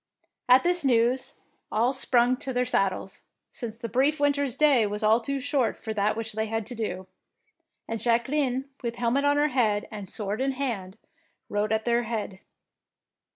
At this news all sprung to their sad dles, since the brief winter^s day was all too short for that which they had to do, and Jacqueline with helmet on head and sword in hand, rode at their head.